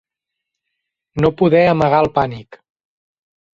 No poder amagar el pànic.